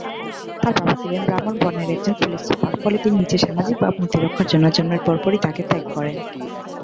তাঁর বাবা ছিলেন ব্রাহ্মণ বর্ণের একজন পুলিশ সুপার, ফলে তিনি নিজের সামাজিক ভাবমূর্তি রক্ষার জন্য জন্মের পরপরই তাঁকে ত্যাগ করেছিলেন।